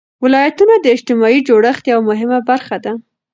ولایتونه د اجتماعي جوړښت یوه مهمه برخه ده.